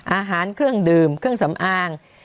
อาหารเครื่องดื่มเครื่องสำอาง